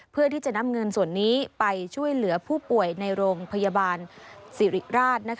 เพื่อที่จะนำเงินส่วนนี้ไปช่วยเหลือผู้ป่วยในโรงพยาบาลสิริราช